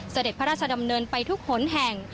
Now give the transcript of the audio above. เสด็จพระราชดำเนินไปทุกหนแห่ง